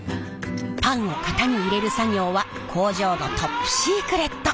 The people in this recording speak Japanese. パンを型に入れる作業は工場のトップシークレット！